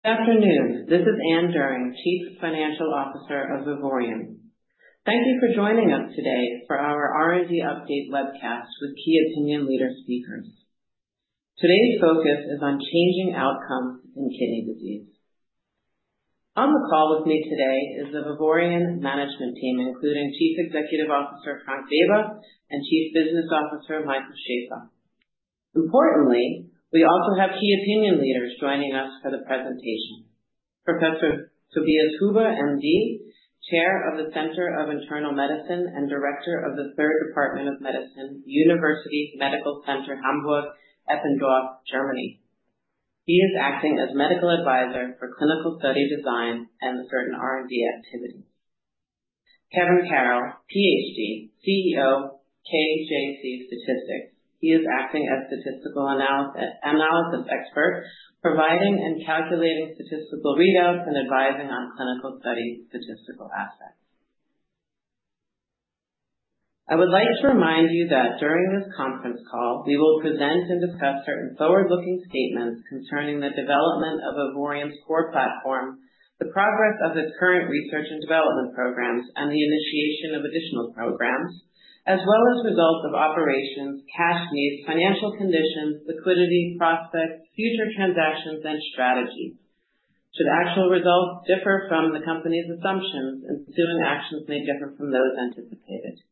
Good afternoon. This is Anne Doering, Chief Financial Officer of Vivoryon. Thank you for joining us today for our R&D Update webcast with key opinion leader speakers. Today's focus is on changing outcomes in kidney disease. On the call with me today is the Vivoryon management team, including Chief Executive Officer Frank Weber and Chief Business Officer Michael Schaeffer. Importantly, we also have key opinion leaders joining us for the presentation: Professor Tobias Huber, M.D., Chair of the Center of Internal Medicine and Director of the Third Department of Medicine, University Medical Center Hamburg-Eppendorf, Germany. He is acting as medical advisor for clinical study design and certain R&D activities. Kevin Carroll, Ph.D., CEO, KJC Statistics. He is acting as statistical analysis expert, providing and calculating statistical readouts and advising on clinical study statistical assets. I would like to remind you that during this conference call, we will present and discuss certain forward-looking statements concerning the development of Vivoryon's core platform, the progress of its current research and development programs, and the initiation of additional programs, as well as results of operations, cash needs, financial conditions, liquidity, prospects, future transactions, and strategy. Should actual results differ from the company's assumptions, ensuing actions may differ from those anticipated.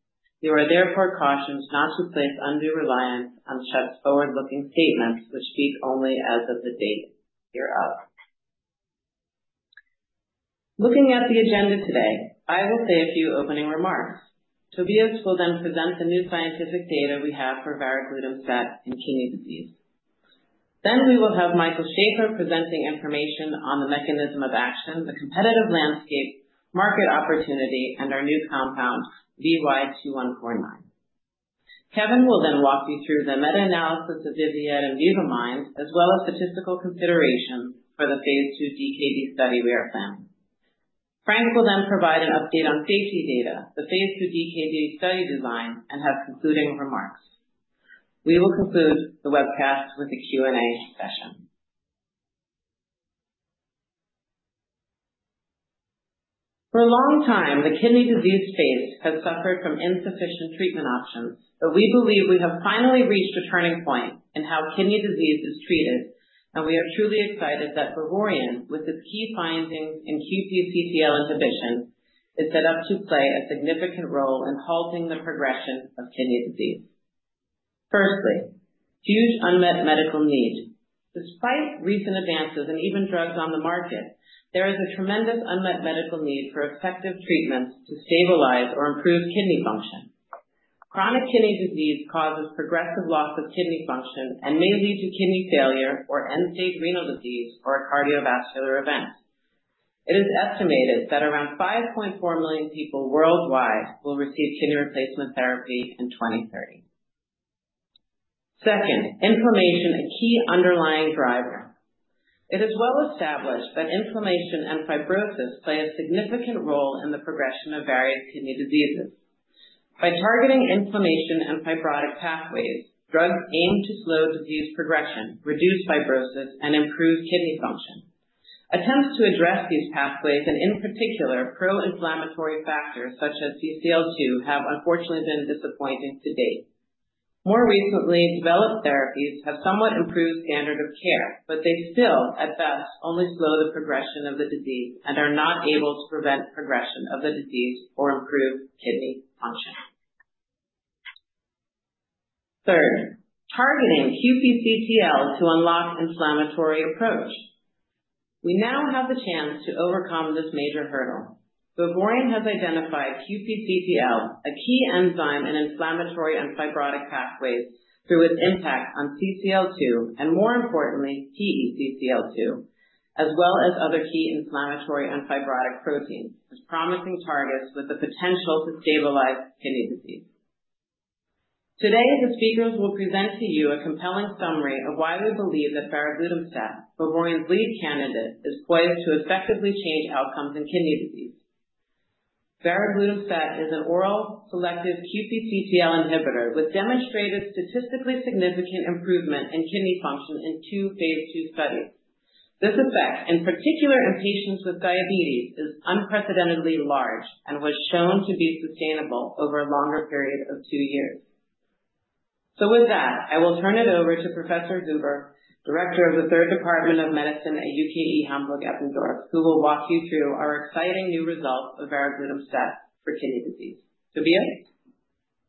You are therefore cautioned not to place undue reliance on such forward-looking statements, which speak only as of the date hereof. Looking at the agenda today, I will say a few opening remarks. Tobias will then present the new scientific data we have for varoglutamstat in kidney disease. Then we will have Michael Schaeffer presenting information on the mechanism of action, the competitive landscape, market opportunity, and our new compound, VY2149. Kevin will then walk you through the meta-analysis of VIVIAD and VIVA-MIND, as well as statistical considerations for the phase II DKD study we are planning. Frank will then provide an update on safety data, the phase II DKD study design, and have concluding remarks. We will conclude the webcast with a Q&A session. For a long time, the kidney disease space has suffered from insufficient treatment options, but we believe we have finally reached a turning point in how kidney disease is treated, and we are truly excited that Vivoryon, with its key findings in QPCTL inhibition, is set up to play a significant role in halting the progression of kidney disease. Firstly, huge unmet medical need. Despite recent advances and even drugs on the market, there is a tremendous unmet medical need for effective treatments to stabilize or improve kidney function. Chronic kidney disease causes progressive loss of kidney function and may lead to kidney failure or end-stage renal disease or a cardiovascular event. It is estimated that around 5.4 million people worldwide will receive kidney replacement therapy in 2030. Second, inflammation, a key underlying driver. It is well established that inflammation and fibrosis play a significant role in the progression of various kidney diseases. By targeting inflammation and fibrotic pathways, drugs aim to slow disease progression, reduce fibrosis, and improve kidney function. Attempts to address these pathways, and in particular pro-inflammatory factors such as CCL2, have unfortunately been disappointing to date. More recently, developed therapies have somewhat improved standard of care, but they still, at best, only slow the progression of the disease and are not able to prevent progression of the disease or improve kidney function. Third, targeting QPCTL to unlock inflammatory approach. We now have the chance to overcome this major hurdle. Vivoryon has identified QPCTL, a key enzyme in inflammatory and fibrotic pathways, through its impact on CCL2 and, more importantly, pE-CCL2, as well as other key inflammatory and fibrotic proteins, as promising targets with the potential to stabilize kidney disease. Today, the speakers will present to you a compelling summary of why we believe that Varoglutamstat, Vivoryon's lead candidate, is poised to effectively change outcomes in kidney disease. Varoglutamstat is an oral selective QPCTL inhibitor with demonstrated statistically significant improvement in kidney function in two phase II studies. This effect, in particular in patients with diabetes, is unprecedentedly large and was shown to be sustainable over a longer period of two years. With that, I will turn it over to Professor Huber, Director of the Third Department of Medicine at UKE Hamburg-Eppendorf, who will walk you through our exciting new results of Varoglutamstat for kidney disease. Tobias.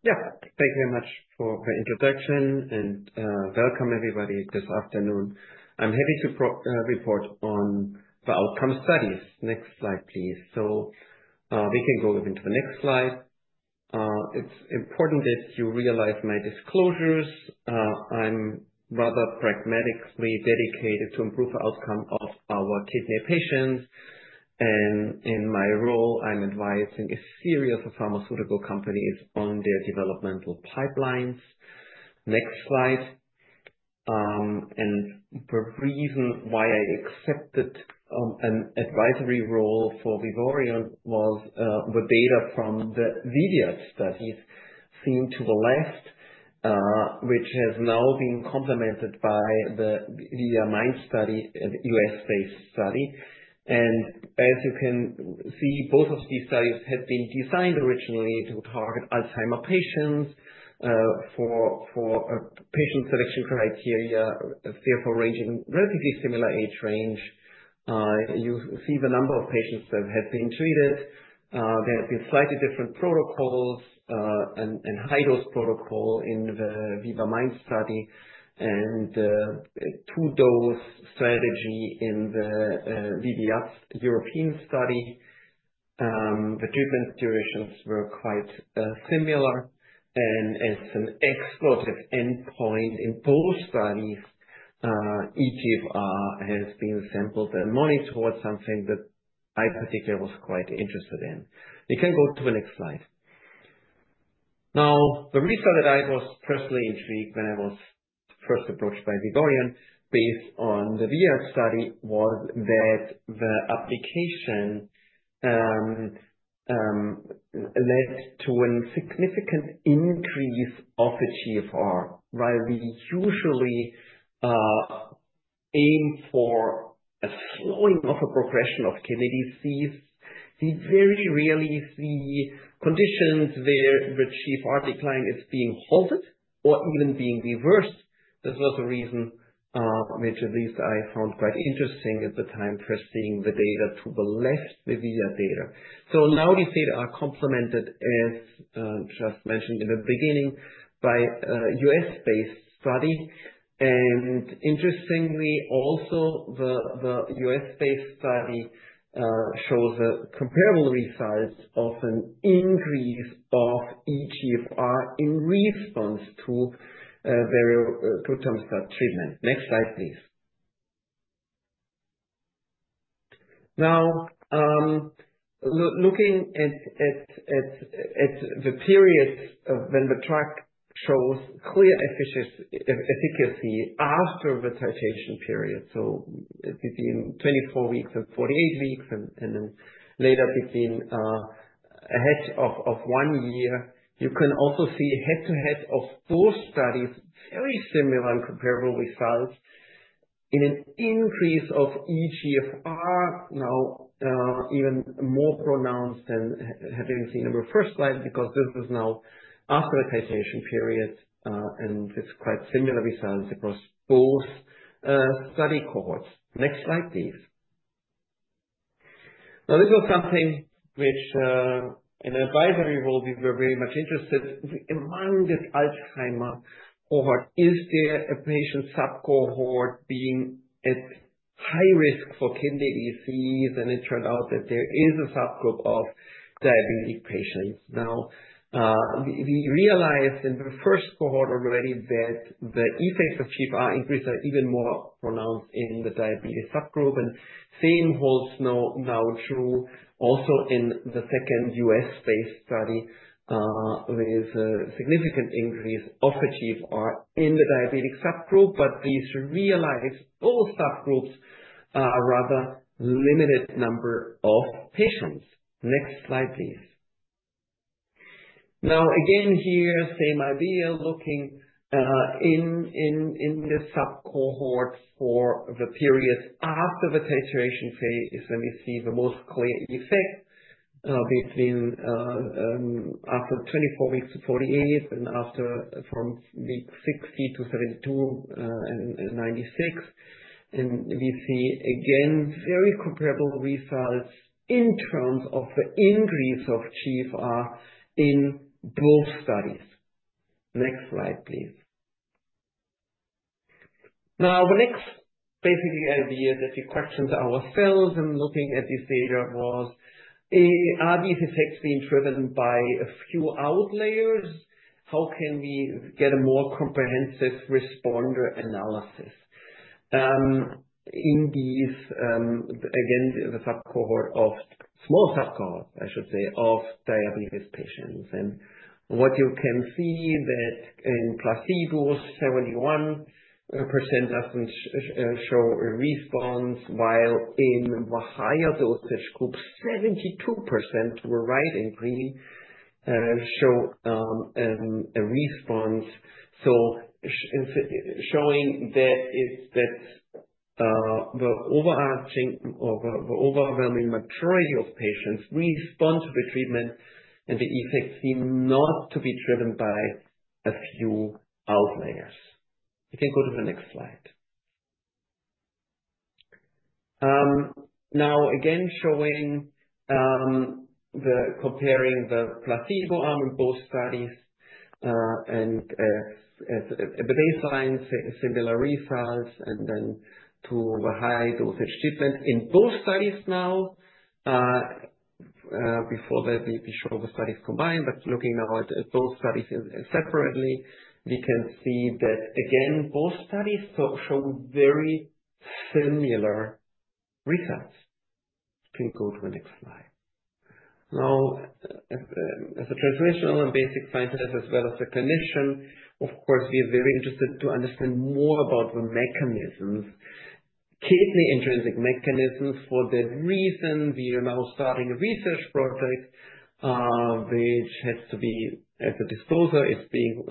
Yeah, thank you very much for the introduction and welcome everybody this afternoon. I'm happy to report on the outcome studies. Next slide, please. We can go into the next slide. It's important that you realize my disclosures. I'm rather pragmatically dedicated to improving the outcome of our kidney patients. In my role, I'm advising a series of pharmaceutical companies on their developmental pipelines. Next slide. The reason why I accepted an advisory role for Vivoryon was the data from the VIVIAD studies seen to the left, which has now been complemented by the VIVA-MIND study, a U.S.-based study. As you can see, both of these studies had been designed originally to target Alzheimer patients for patient selection criteria, therefore ranging relatively similar age range. You see the number of patients that had been treated. There have been slightly different protocols and high-dose protocol in the VIVA-MIND study and two-dose strategy in the VIVIAD European study. The treatment durations were quite similar. As an explorative endpoint in both studies, each eGFR has been sampled and monitored, something that I particularly was quite interested in. You can go to the next slide. Now, the result that I was personally intrigued when I was first approached by Vivoryon based on the VIVIAD study was that the application led to a significant increase of the GFR. While we usually aim for a slowing of the progression of kidney disease, we very rarely see conditions where the GFR decline is being halted or even being reversed. This was a reason which at least I found quite interesting at the time for seeing the data to the left, the VIVIAD data. Now these data are complemented, as just mentioned in the beginning, by a U.S.-based study. Interestingly, also the U.S.-based study shows a comparable result of an increase of eGFR in response to varoglutamstat treatment. Next slide, please. Now, looking at the periods when the track shows clear efficacy after the titration period, so between 24 weeks and 48 weeks, and then later ahead of one year, you can also see head-to-head of both studies, very similar and comparable results in an increase of eGFR, now even more pronounced than having seen in the first slide, because this is now after the titration period, and it's quite similar results across both study cohorts. Next slide, please. Now, this was something which in advisory role, we were very much interested in among this Alzheimer cohort, is there a patient subcohort being at high risk for kidney disease, and it turned out that there is a subgroup of diabetic patients. Now, we realized in the first cohort already that the effects of GFR increase are even more pronounced in the diabetes subgroup, and same holds now true also in the second U.S.-based study with a significant increase of the GFR in the diabetic subgroup, but these realized both subgroups are rather limited number of patients. Next slide, please. Now, again here, same idea, looking in this subcohort for the period after the titration phase, and we see the most clear effect after 24 weeks to 48, and after from week 60 to 72 and 96. We see again very comparable results in terms of the increase of GFR in both studies. Next slide, please. Now, the next basic idea that we questioned ourselves in looking at this data was, are these effects being driven by a few outliers? How can we get a more comprehensive responder analysis in these, again, the subcohort of small subcohorts, I should say, of diabetes patients? What you can see is that in placebos, 71% does not show a response, while in the higher dosage group, 72%, right in green, show a response. This shows that the overarching or the overwhelming majority of patients respond to the treatment, and the effects seem not to be driven by a few outliers. You can go to the next slide. Now, again showing the comparing the placebo arm in both studies and at the baseline, similar results, and then to the high-dosage treatment in both studies now. Before that, we show the studies combined, but looking now at both studies separately, we can see that, again, both studies show very similar results. You can go to the next slide. Now, as a translational and basic scientist, as well as a clinician, of course, we are very interested to understand more about the mechanisms, kidney intrinsic mechanisms for the reason we are now starting a research project, which has to be, as a disclosure, is being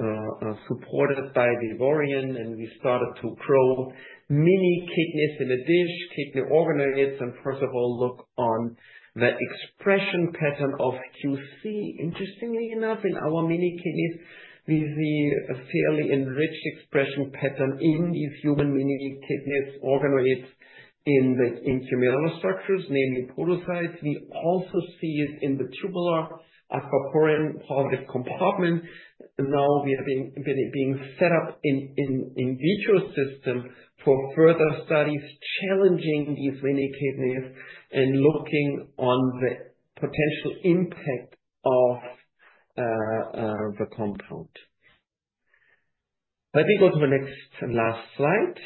supported by Vivoryon, and we started to grow mini kidneys in a dish, kidney organoids, and first of all, look on the expression pattern of QC. Interestingly enough, in our mini kidneys, we see a fairly enriched expression pattern in these human mini kidneys, organoids in the intramural structures, namely podocytes. We also see it in the tubular aquaporin positive compartment. Now, we are being set up in vitro system for further studies, challenging these mini kidneys and looking on the potential impact of the compound. Let me go to the next and last slide.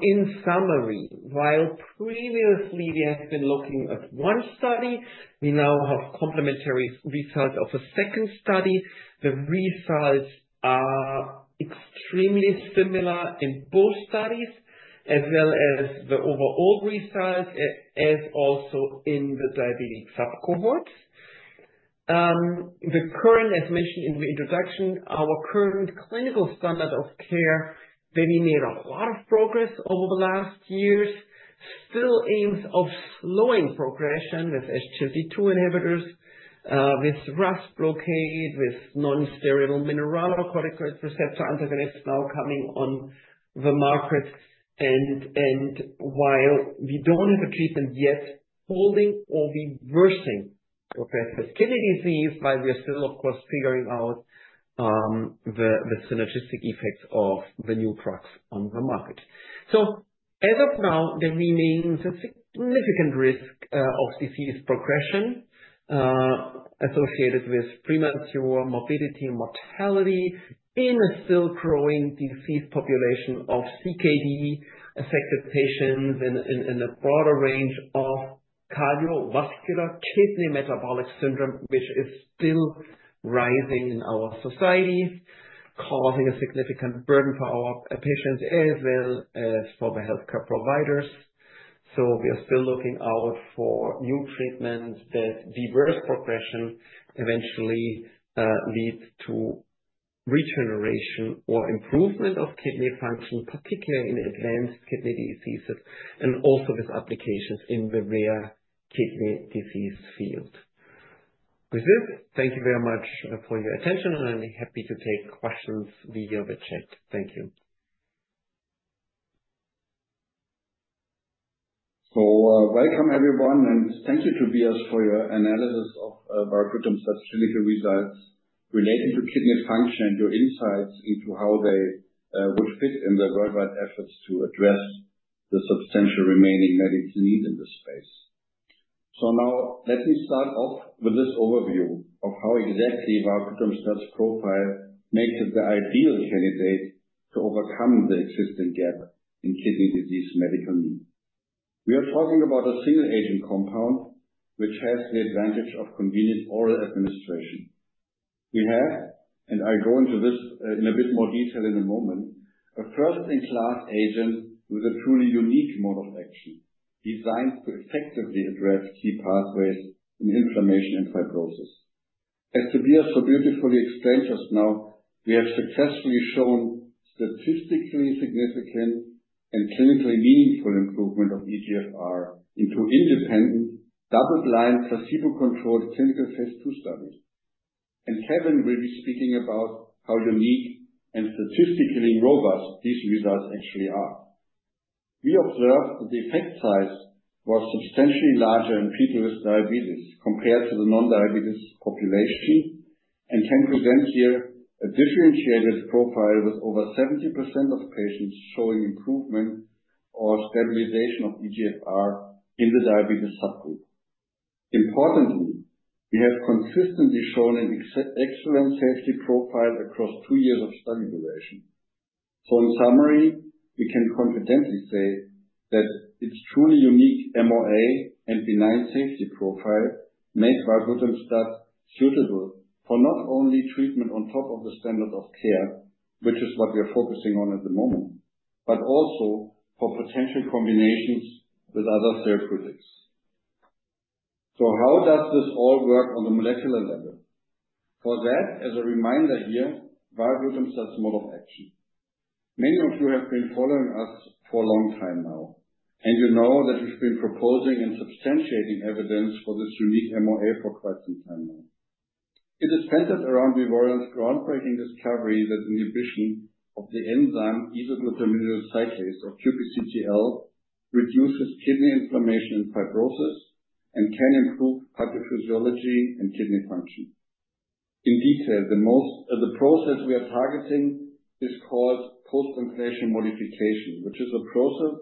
In summary, while previously we have been looking at one study, we now have complementary results of a second study. The results are extremely similar in both studies, as well as the overall results, as also in the diabetic subcohorts. The current, as mentioned in the introduction, our current clinical standard of care, that we made a lot of progress over the last years, still aims at slowing progression with SGLT2 inhibitors, with RAS blockade, with nonsteroidal mineralocorticoid receptor antagonists now coming on the market. While we do not have a treatment yet holding or reversing progressive kidney disease, we are still, of course, figuring out the synergistic effects of the new drugs on the market. As of now, there remains a significant risk of disease progression associated with premature morbidity and mortality in a still growing disease population of CKD-affected patients and a broader range of cardiovascular kidney metabolic syndrome, which is still rising in our society, causing a significant burden for our patients as well as for the healthcare providers. We are still looking out for new treatments that reverse progression, eventually lead to regeneration or improvement of kidney function, particularly in advanced kidney diseases, and also with applications in the rare kidney disease field. With this, thank you very much for your attention, and I'm happy to take questions via the chat. Thank you. Welcome, everyone, and thank you, Tobias, for your analysis of varoglutamstat clinical results related to kidney function and your insights into how they would fit in the worldwide efforts to address the substantial remaining medical need in this space. Now, let me start off with this overview of how exactly varoglutamstat's profile makes it the ideal candidate to overcome the existing gap in kidney disease medical need. We are talking about a single-agent compound, which has the advantage of convenient oral administration. We have, and I'll go into this in a bit more detail in a moment, a first-in-class agent with a truly unique mode of action designed to effectively address key pathways in inflammation and fibrosis. As Tobias so beautifully explained just now, we have successfully shown statistically significant and clinically meaningful improvement of eGFR in two independent double-blind placebo-controlled clinical phase II studies. Kevin will be speaking about how unique and statistically robust these results actually are. We observed that the effect size was substantially larger in people with diabetes compared to the non-diabetes population and can present here a differentiated profile with over 70% of patients showing improvement or stabilization of eGFR in the diabetes subgroup. Importantly, we have consistently shown an excellent safety profile across two years of study duration. In summary, we can confidently say that its truly unique MOA and benign safety profile make varoglutamstat suitable for not only treatment on top of the standard of care, which is what we are focusing on at the moment, but also for potential combinations with other therapeutics. How does this all work on the molecular level? For that, as a reminder here, varoglutamstat's mode of action. Many of you have been following us for a long time now, and you know that we've been proposing and substantiating evidence for this unique MOA for quite some time now. It is centered around Vivoryon's groundbreaking discovery that inhibition of the enzyme isoglutaminyl cyclase or QPCTL reduces kidney inflammation and fibrosis and can improve cardiophysiology and kidney function. In detail, the process we are targeting is called post-translational modification, which is a process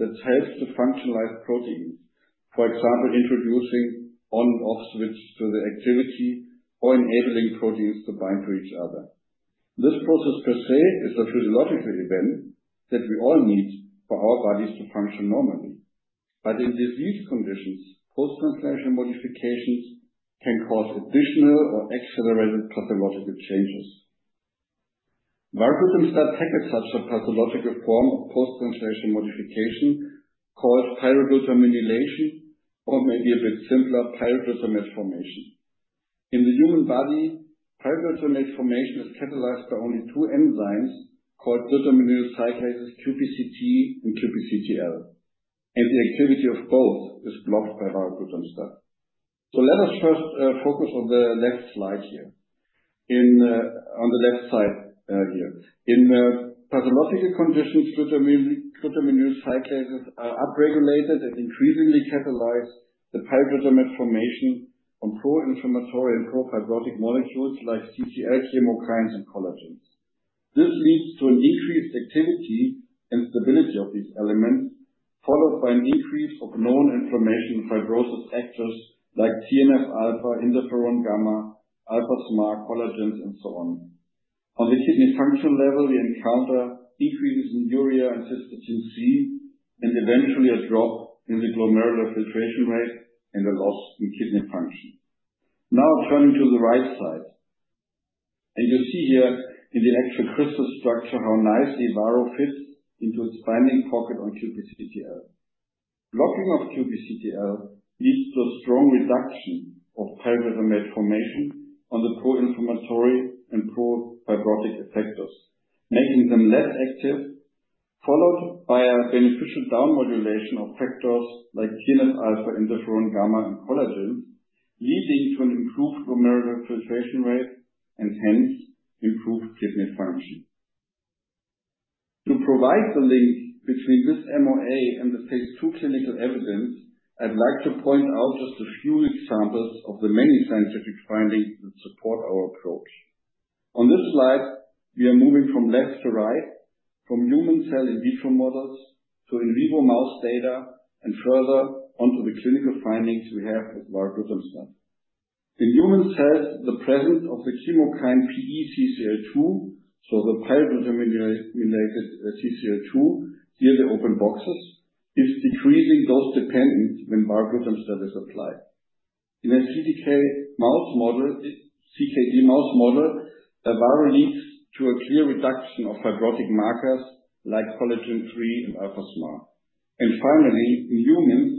that helps to functionalize proteins, for example, introducing on-off switches to the activity or enabling proteins to bind to each other. This process per se is a physiological event that we all need for our bodies to function normally. In disease conditions, post-translational modifications can cause additional or accelerated pathological changes. Varoglutamstat targets such a pathological form of post-translational modification called pyroglutaminylation or maybe a bit simpler, pyroglutamate formation. In the human body, pyroglutamate formation is catalyzed by only two enzymes called glutaminyl cyclases QPCT and QPCTL, and the activity of both is blocked by varoglutamstat. Let us first focus on the left slide here. On the left side here, in pathological conditions, glutaminyl cyclases are upregulated and increasingly catalyze the pyroglutamate formation on pro-inflammatory and pro-fibrotic molecules like CCL2, chemokines, and collagens. This leads to an increased activity and stability of these elements, followed by an increase of known inflammation and fibrosis actors like TNF-alpha, interferon-gamma, alpha-SMA, collagens, and so on. On the kidney function level, we encounter increases in urea and cystatin C, and eventually a drop in the glomerular filtration rate and a loss in kidney function. Now, turning to the right side, you see here in the actual crystal structure how nicely varoglutamstat fits into its binding pocket on QPCTL. Blocking of QPCTL leads to a strong reduction of pyroglutamate formation on the pro-inflammatory and pro-fibrotic effectors, making them less active, followed by a beneficial down-modulation of factors like TNF-alpha, interferon-gamma, and collagens, leading to an improved glomerular filtration rate and hence improved kidney function. To provide the link between this MOA and the phase II clinical evidence, I'd like to point out just a few examples of the many scientific findings that support our approach. On this slide, we are moving from left to right, from human cell in vitro models to in vivo mouse data and further onto the clinical findings we have with varoglutamstat. In human cells, the presence of the chemokine pE-CCL2, so the pyroglutaminylated CCL2, here the open boxes, is decreasing dose-dependent when varoglutamstat is applied. In a CKD mouse model, varo leads to a clear reduction of fibrotic markers like collagen III and alpha-SMA. Finally, in humans,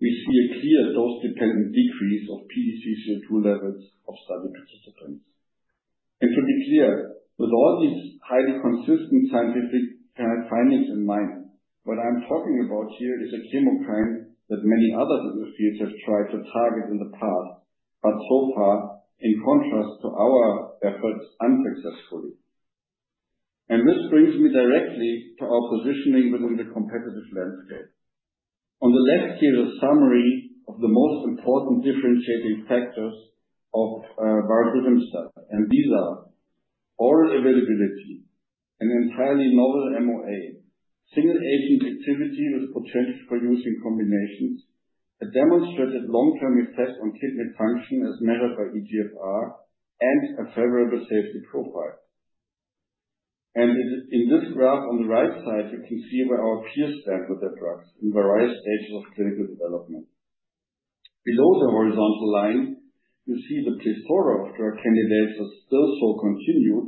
we see a clear dose-dependent decrease of pE-CCL2 levels of study participants. To be clear, with all these highly consistent scientific findings in mind, what I'm talking about here is a chemokine that many others in the field have tried to target in the past, but so far, in contrast to our efforts, unsuccessfully. This brings me directly to our positioning within the competitive landscape. On the left here, a summary of the most important differentiating factors of varoglutamstat, and these are oral availability, an entirely novel MOA, single-agent activity with potential for use in combinations, a demonstrated long-term effect on kidney function as measured by eGFR, and a favorable safety profile. In this graph on the right side, you can see where our peers stand with the drugs in various stages of clinical development. Below the horizontal line, you see the prehistoria of drug candidates that still so continue,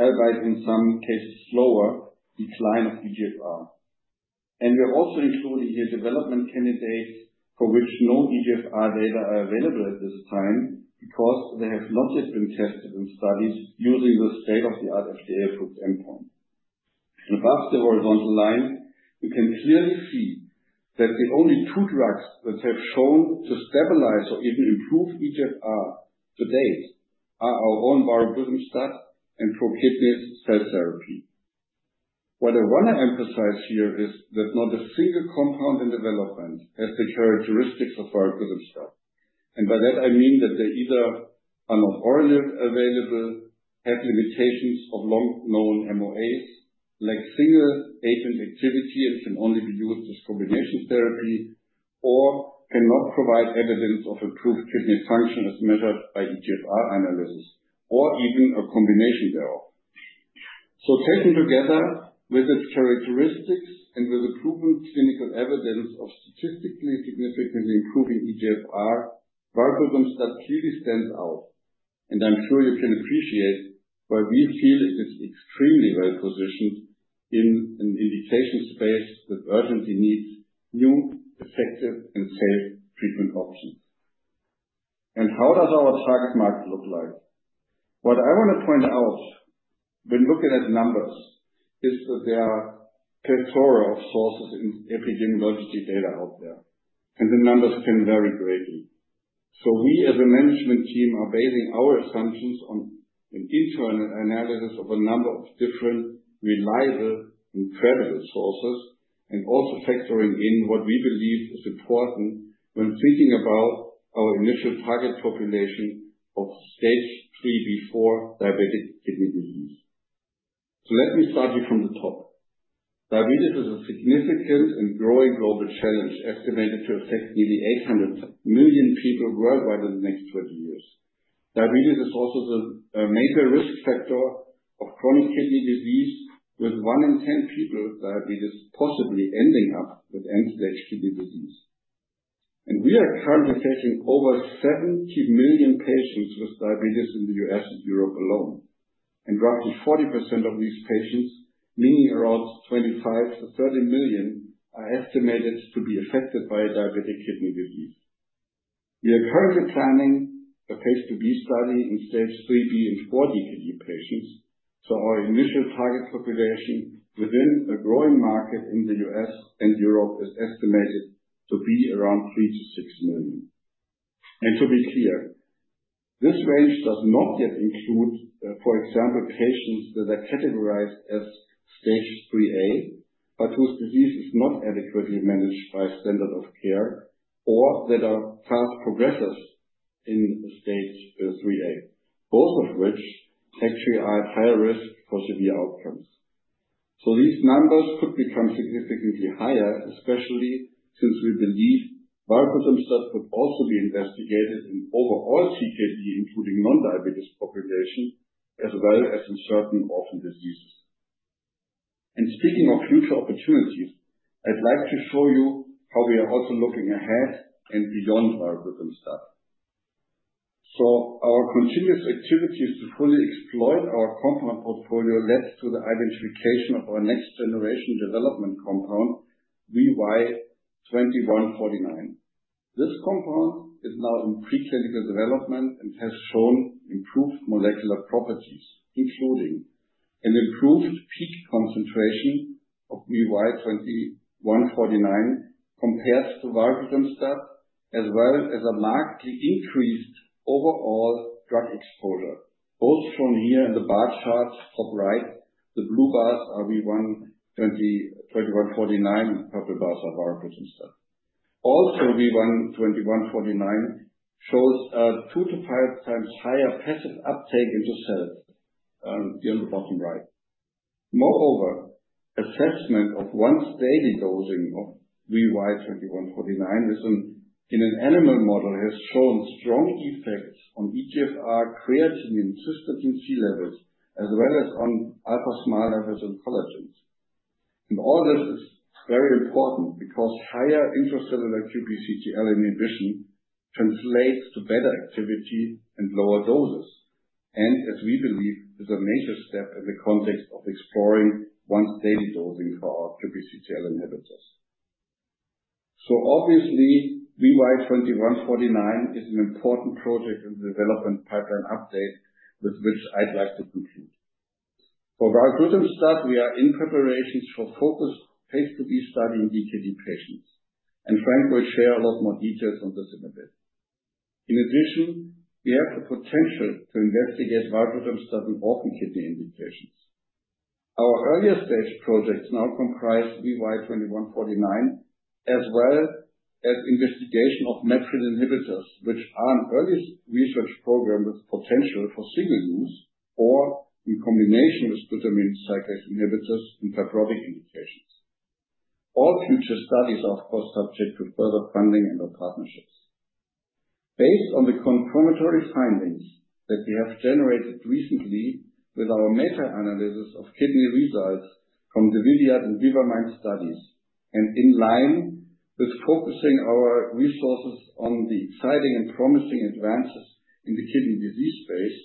albeit in some cases slower decline of eGFR. We are also including here development candidates for which no eGFR data are available at this time because they have not yet been tested in studies using the state-of-the-art FDA-approved endpoint. Above the horizontal line, you can clearly see that the only two drugs that have shown to stabilize or even improve eGFR to date are our own varoglutamstat and ProKidney cell therapy. What I want to emphasize here is that not a single compound in development has the characteristics of varoglutamstat. By that, I mean that they either are not orally available, have limitations of long-known MOAs, lack single-agent activity and can only be used as combination therapy, or cannot provide evidence of improved kidney function as measured by eGFR analysis, or even a combination thereof. Taken together with its characteristics and with the proven clinical evidence of statistically significantly improving eGFR, varoglutamstat clearly stands out. I'm sure you can appreciate why we feel it is extremely well positioned in an indication space that urgently needs new, effective, and safe treatment options. How does our target market look like? What I want to point out when looking at numbers is that there are a plethora of sources in epidemiological data out there, and the numbers can vary greatly. We, as a management team, are basing our assumptions on an internal analysis of a number of different reliable and credible sources and also factoring in what we believe is important when thinking about our initial target population of stage IIIb-IV diabetic kidney disease. Let me start here from the top. Diabetes is a significant and growing global challenge estimated to affect nearly 800 million people worldwide in the next 20 years. Diabetes is also the major risk factor of chronic kidney disease, with one in 10 people with diabetes possibly ending up with end-stage kidney disease. We are currently facing over 70 million patients with diabetes in the U.S. and Europe alone. Roughly 40% of these patients, meaning around 25-30 million, are estimated to be affected by diabetic kidney disease. We are currently planning a phase II-B study in stage IIIb and IV DKD patients. Our initial target population within a growing market in the U.S. and Europe is estimated to be around 3-6 million. To be clear, this range does not yet include, for example, patients that are categorized as stage IIIa, but whose disease is not adequately managed by standard of care or that are fast progressors in stage IIIa, both of which actually are at higher risk for severe outcomes. These numbers could become significantly higher, especially since we believe varoglutamstat would also be investigated in overall CKD, including non-diabetes population, as well as in certain orphan diseases. Speaking of future opportunities, I'd like to show you how we are also looking ahead and beyond varoglutamstat. Our continuous activities to fully exploit our compound portfolio led to the identification of our next-generation development compound, VY2149. This compound is now in preclinical development and has shown improved molecular properties, including an improved peak concentration of VY2149 compared to varoglutamstat, as well as a markedly increased overall drug exposure, both shown here in the bar charts top right. The blue bars are VY2149, and the purple bars are varoglutamstat. Also, VY2149 shows a two to five times higher passive uptake into cells here on the bottom right. Moreover, assessment of once-daily dosing of VY2149 in an animal model has shown strong effects on eGFR, creatinine, and cystatin C levels, as well as on alpha-SMA levels and collagens. All this is very important because higher intracellular QPCTL inhibition translates to better activity and lower doses, and as we believe, is a major step in the context of exploring once-daily dosing for our QPCTL inhibitors. Obviously, VY2149 is an important project in the development pipeline update with which I'd like to conclude. For varoglutamstat, we are in preparations for a focused phase II-B study in DKD patients, and Frank will share a lot more details on this in a bit. In addition, we have the potential to investigate varoglutamstat in orphan kidney indications. Our earlier stage projects now comprise VY2149, as well as investigation of methyl inhibitors, which are an early research program with potential for single use or in combination with glutamine cyclase inhibitors in fibrotic indications. All future studies are, of course, subject to further funding and/or partnerships. Based on the confirmatory findings that we have generated recently with our meta-analysis of kidney results from the VIVIAD and VIVA-MIND studies, and in line with focusing our resources on the exciting and promising advances in the kidney disease space,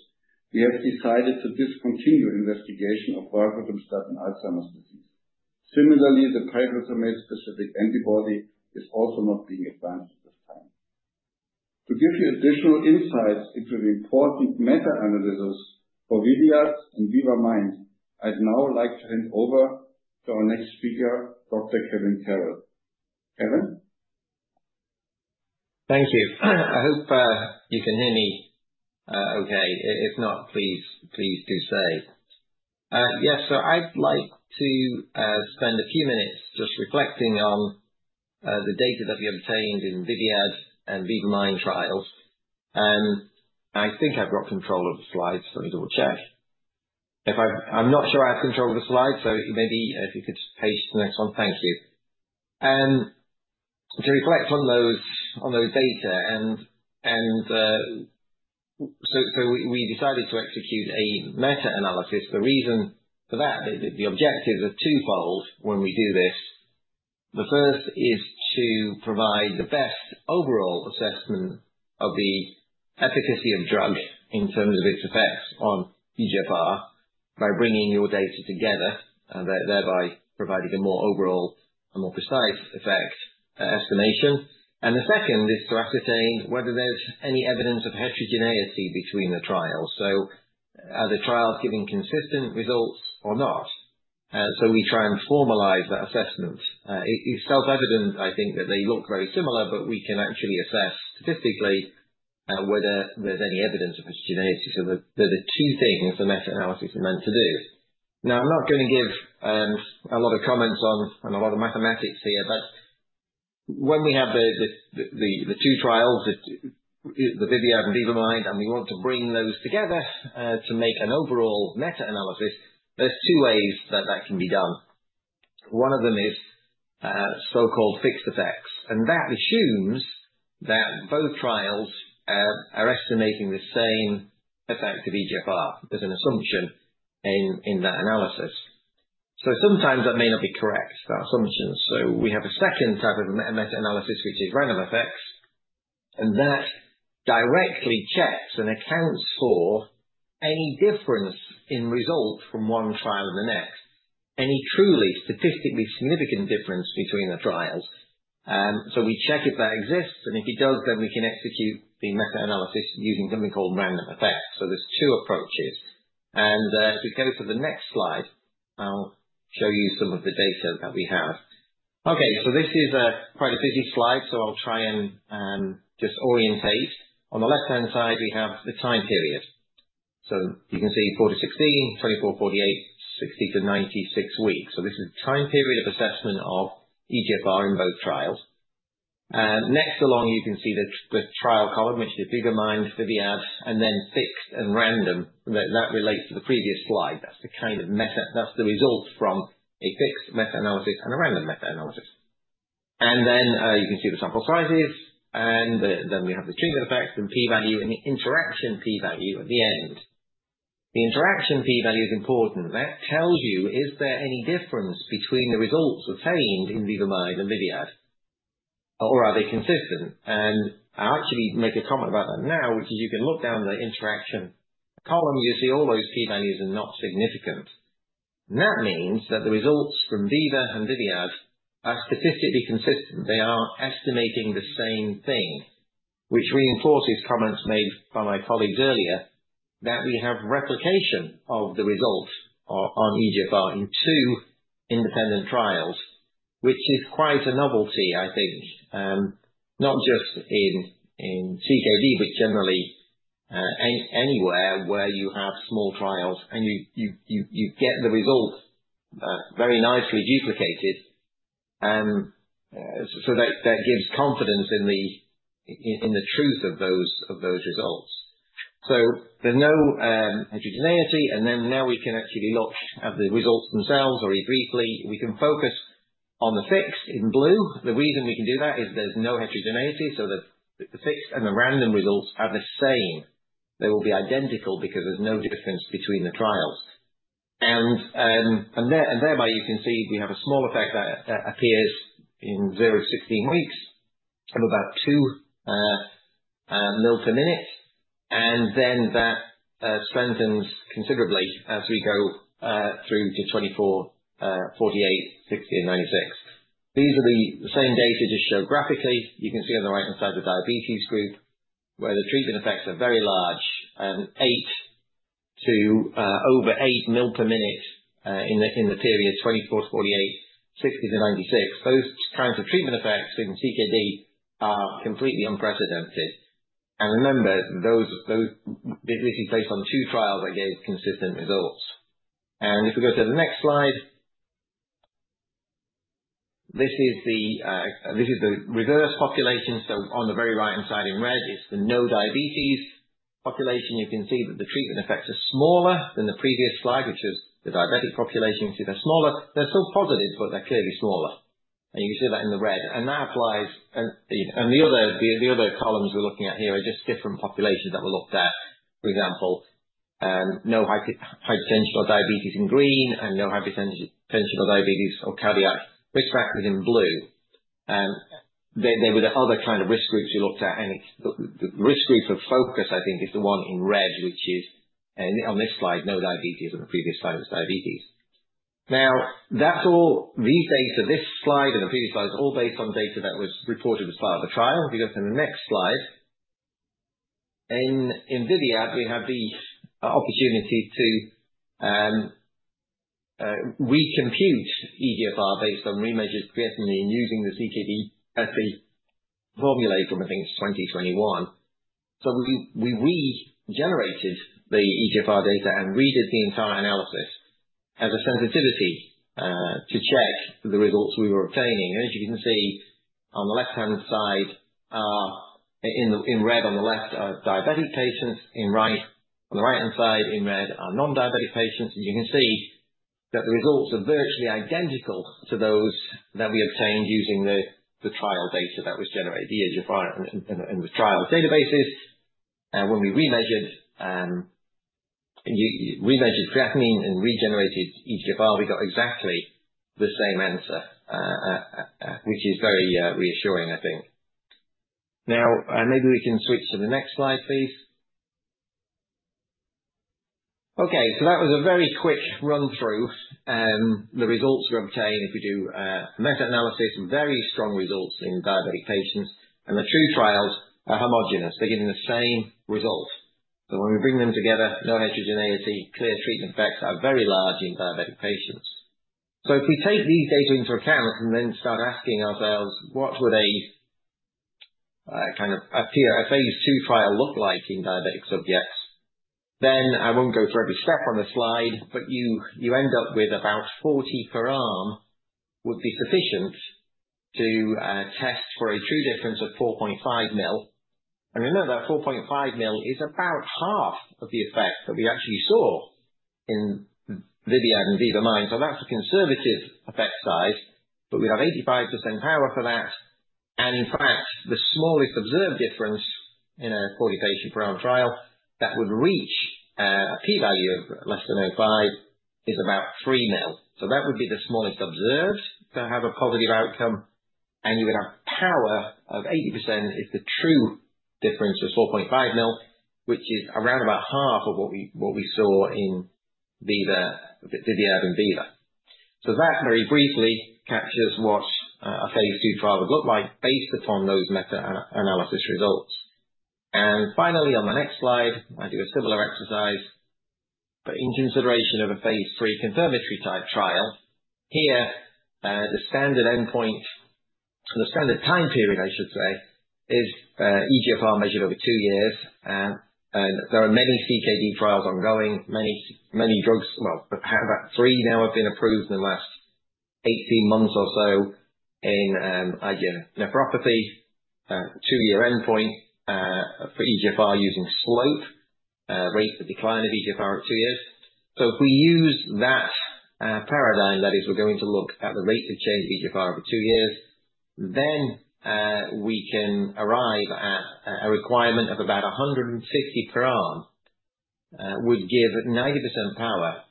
we have decided to discontinue investigation of varoglutamstat in Alzheimer's disease. Similarly, the pyroglutamate-specific antibody is also not being advanced at this time. To give you additional insights into the important meta-analysis for VIVIAD and VIVA-MIND, I'd now like to hand over to our next speaker, Dr. Kevin Carroll. Kevin. Thank you. I hope you can hear me okay. If not, please do say. Yes, I'd like to spend a few minutes just reflecting on the data that we obtained in VIVIAD and VIVA-MIND trials. I think I've got control of the slides, so let me double-check. I'm not sure I have control of the slides, so maybe if you could just paste the next one. Thank you. To reflect on those data, and so we decided to execute a meta-analysis. The reason for that, the objectives are twofold when we do this. The first is to provide the best overall assessment of the efficacy of drugs in terms of its effects on eGFR by bringing your data together, thereby providing a more overall and more precise effect estimation. The second is to ascertain whether there's any evidence of heterogeneity between the trials. Are the trials giving consistent results or not? We try and formalize that assessment. It's self-evident, I think, that they look very similar, but we can actually assess statistically whether there's any evidence of heterogeneity. There are two things the meta-analysis is meant to do. Now, I'm not going to give a lot of comments on a lot of mathematics here, but when we have the two trials, the VIVIAD and VIVA-MIND, and we want to bring those together to make an overall meta-analysis, there's two ways that that can be done. One of them is so-called fixed effects, and that assumes that both trials are estimating the same effect of eGFR as an assumption in that analysis. Sometimes that may not be correct, that assumption. We have a second type of meta-analysis, which is random effects, and that directly checks and accounts for any difference in result from one trial to the next, any truly statistically significant difference between the trials. We check if that exists, and if it does, then we can execute the meta-analysis using something called random effects. There's two approaches. As we go to the next slide, I'll show you some of the data that we have. Okay, this is quite a busy slide, so I'll try and just orientate. On the left-hand side, we have the time period. You can see 4 to 16, 24, 48, 60 to 96 weeks. This is the time period of assessment of eGFR in both trials. Next along, you can see the trial column, which is VIVA-MIND, VIVIAD, and then fixed and random. That relates to the previous slide. That's the kind of meta—that's the result from a fixed meta-analysis and a random meta-analysis. You can see the sample sizes, and then we have the treatment effects and p-value and the interaction p-value at the end. The interaction p-value is important. That tells you, is there any difference between the results obtained in VIVA-MIND and VIVIAD, or are they consistent? I'll actually make a comment about that now, which is you can look down the interaction column. You see all those p-values are not significant. That means that the results from VIVA-MIND and VIVIAD are statistically consistent. They are estimating the same thing, which reinforces comments made by my colleagues earlier that we have replication of the results on eGFR in two independent trials, which is quite a novelty, I think, not just in CKD, but generally anywhere where you have small trials and you get the results very nicely duplicated. That gives confidence in the truth of those results. There's no heterogeneity, and now we can actually look at the results themselves or read briefly. We can focus on the fixed in blue. The reason we can do that is there's no heterogeneity, so the fixed and the random results are the same. They will be identical because there's no difference between the trials. Thereby, you can see we have a small effect that appears in 0-16 weeks of about 2 ml per minute, and then that strengthens considerably as we go through to 24, 48, 60, and 96. These are the same data just shown graphically. You can see on the right-hand side the diabetes group, where the treatment effects are very large, 8 to over 8 ml per minute in the period 24-48, 60-96. Those kinds of treatment effects in CKD are completely unprecedented. Remember, this is based on two trials that gave consistent results. If we go to the next slide, this is the reverse population. On the very right-hand side in red is the no diabetes population. You can see that the treatment effects are smaller than the previous slide, which is the diabetic population. You can see they're smaller. They're still positive, but they're clearly smaller. You can see that in the red. That applies. The other columns we're looking at here are just different populations that were looked at. For example, no hypertension or diabetes in green and no hypertension or diabetes or cardiac risk factors in blue. There were other kinds of risk groups we looked at, and the risk group of focus, I think, is the one in red, which is on this slide, no diabetes, and the previous slide was diabetes. All these data, this slide and the previous slide, is all based on data that was reported as part of the trial. If you go to the next slide, in VIVIAD, we have the opportunity to recompute eGFR based on remeasured creatinine using the CKD SE formula from, I think, 2021. We regenerated the eGFR data and redid the entire analysis as a sensitivity to check the results we were obtaining. As you can see on the left-hand side, in red on the left are diabetic patients, on the right-hand side in red are non-diabetic patients. You can see that the results are virtually identical to those that we obtained using the trial data that was generated, the eGFR and the trial databases. When we remeasured creatinine and regenerated eGFR, we got exactly the same answer, which is very reassuring, I think. Now, maybe we can switch to the next slide, please. Okay, that was a very quick run-through. The results we obtained, if we do a meta-analysis, very strong results in diabetic patients, and the two trials are homogenous. They're giving the same result. When we bring them together, no heterogeneity, clear treatment effects are very large in diabetic patients. If we take these data into account and then start asking ourselves, what would a kind of a phase II trial look like in diabetic subjects? I won't go through every step on the slide, but you end up with about 40 per arm would be sufficient to test for a true difference of 4.5 ml. Remember, that 4.5 ml is about half of the effect that we actually saw in VIVIAD and VIVA-MIND. That's a conservative effect size, but we'd have 85% power for that. In fact, the smallest observed difference in a 40 patient per arm trial that would reach a p-value of less than 0.5 is about 3 ml. That would be the smallest observed to have a positive outcome, and you would have power of 80% if the true difference was 4.5 ml, which is around about half of what we saw in VIVIAD and VIVA-MIND. That very briefly captures what a phase II trial would look like based upon those meta-analysis results. Finally, on the next slide, I do a similar exercise, but in consideration of a phase III confirmatory type trial. Here, the standard endpoint, the standard time period, I should say, is eGFR measured over two years. There are many CKD trials ongoing, many drugs, well, about three now have been approved in the last 18 months or so in nephropathy, two-year endpoint for eGFR using SLOPE, rate of decline of eGFR over two years. If we use that paradigm, that is, we're going to look at the rate of change of eGFR over two years, then we can arrive at a requirement of about 150 per arm, would give 90% power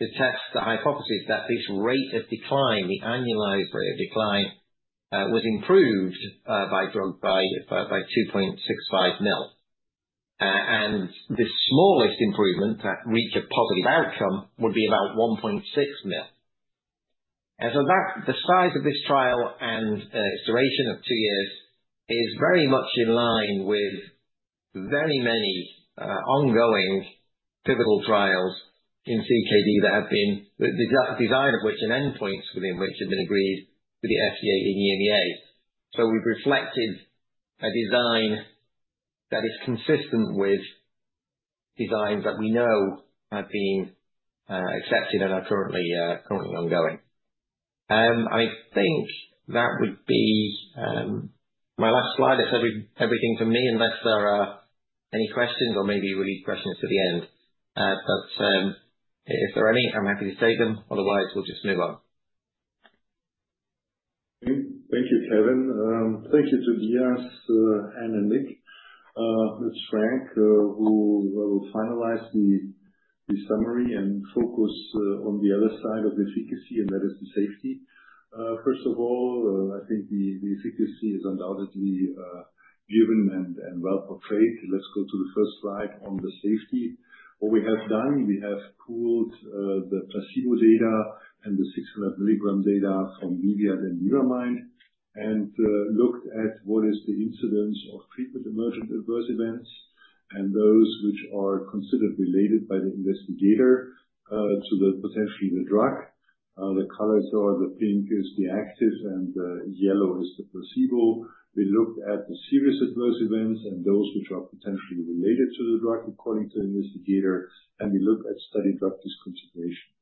to test the hypothesis that this rate of decline, the annualized rate of decline, was improved by drug by 2.65 ml. The smallest improvement to reach a positive outcome would be about 1.6 ml. The size of this trial and its duration of two years is very much in line with very many ongoing pivotal trials in CKD that have been the design of which and endpoints within which have been agreed with the FDA and EMEA. We have reflected a design that is consistent with designs that we know have been accepted and are currently ongoing. I think that would be my last slide. I have said everything from me, unless there are any questions or maybe you will leave questions to the end. If there are any, I am happy to take them. Otherwise, we will just move on. Thank you, Kevin. Thank you to Tobia, Anne, and Nick. Thi is Frank, we will finalize the summary and focus on the other side of efficacy, and that is the safety. First of all, I think the efficacy is undoubtedly given and well portrayed. Let's go to the first slide on the safety. What we have done, we have pooled the placebo data and the 600 mg data from VIVIAD and VIVA-MIND and looked at what is the incidence of treatment-emergent adverse events and those which are considered related by the investigator to potentially the drug. The colors are the pink is the active and the yellow is the placebo. We looked at the serious adverse events and those which are potentially related to the drug according to the investigator, and we looked at study drug discontinuation.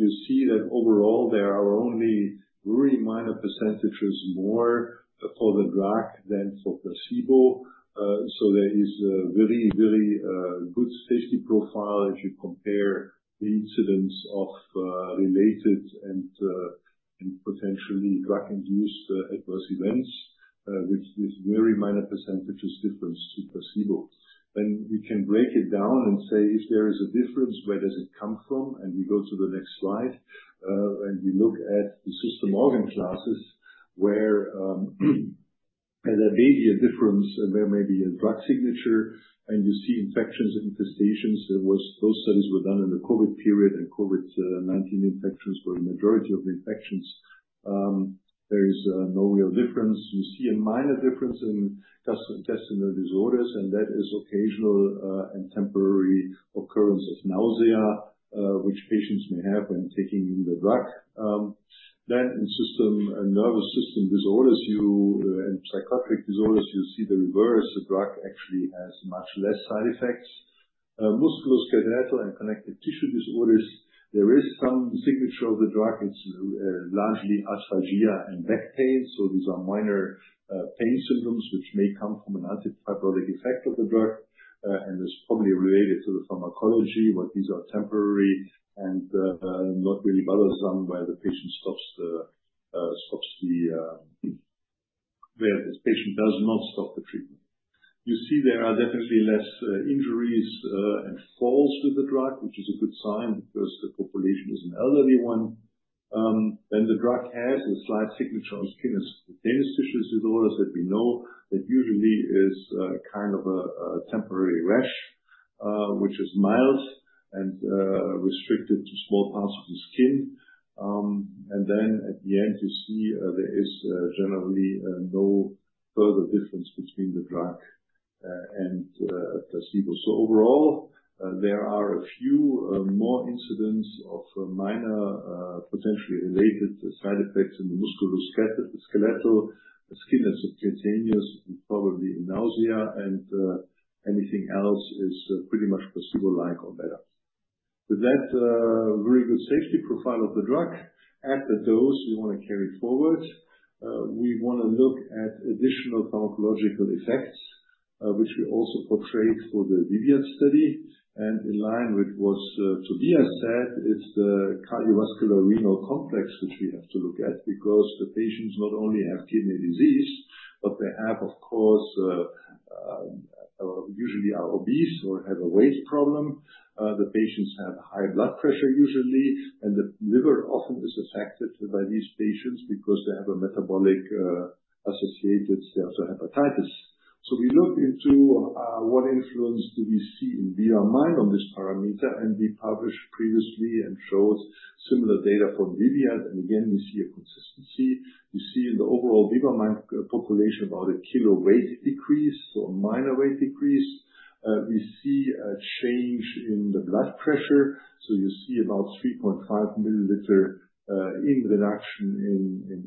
You see that overall, there are only really minor percentages more for the drug than for placebo. There is a really, really good safety profile if you compare the incidence of related and potentially drug-induced adverse events, which is very minor percentages difference to placebo. We can break it down and say, if there is a difference, where does it come from? We go to the next slide, and we look at the system organ classes where there may be a difference, and there may be a drug signature, and you see infections and infestations. Those studies were done in the COVID period, and COVID-19 infections were the majority of the infections. There is no real difference. You see a minor difference in gastrointestinal disorders, and that is occasional and temporary occurrence of nausea, which patients may have when taking the drug. In nervous system disorders and psychotic disorders, you see the reverse. The drug actually has much less side effects. Musculoskeletal and connective tissue disorders, there is some signature of the drug. It's largely arthralgia and back pain. These are minor pain symptoms which may come from an anti-fibrotic effect of the drug, and it's probably related to the pharmacology, but these are temporary and not really bothersome where the patient does not stop the treatment. You see there are definitely fewer injuries and falls with the drug, which is a good sign because the population is an elderly one. The drug has a slight signature of skin and subcutaneous tissue disorders that we know usually is kind of a temporary rash, which is mild and restricted to small parts of the skin. At the end, you see there is generally no further difference between the drug and placebo. Overall, there are a few more incidents of minor potentially related side effects in the musculoskeletal, skin and subcutaneous, probably nausea, and anything else is pretty much placebo-like or better. With that, a very good safety profile of the drug at the dose we want to carry forward. We want to look at additional pharmacological effects, which we also portrayed for the VIVIAD study. In line with what Tobias said, it's the cardiovascular renal complex, which we have to look at because the patients not only have kidney disease, but they have, of course, usually are obese or have a weight problem. The patients have high blood pressure usually, and the liver often is affected by these patients because they have a metabolic associated steatohepatitis. We looked into what influence do we see in VIVA-MIND on this parameter, and we published previously and showed similar data from VIVIAD. Again, we see a consistency. You see in the overall VIVA-MIND population about a kilo weight decrease, so a minor weight decrease. We see a change in the blood pressure. You see about 3.5 ml reduction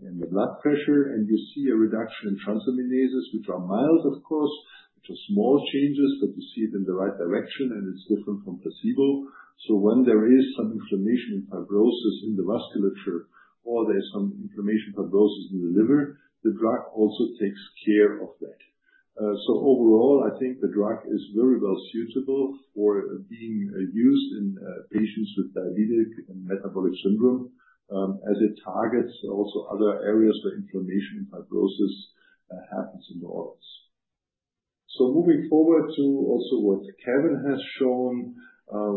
in the blood pressure, and you see a reduction in transaminases, which are mild, of course, which are small changes, but you see it in the right direction, and it's different from placebo. When there is some inflammation and fibrosis in the musculature or there's some inflammation and fibrosis in the liver, the drug also takes care of that. Overall, I think the drug is very well suitable for being used in patients with diabetic and metabolic syndrome as it targets also other areas where inflammation and fibrosis happens in the organs. Moving forward to also what Kevin has shown,